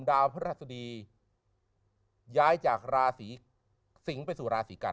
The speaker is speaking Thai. ดาวพระราชดีย้ายจากราศีสิงศ์ไปสู่ราศีกัน